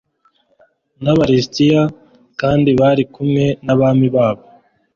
n aba lisitiya kandi bari kumwe nabami babo